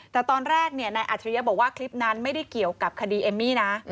แต่ตอนแรกนายอัจฉริยะบอกว่าคลิปนั้นไม่ได้เกี่ยวกับคดีเอมมี่นะ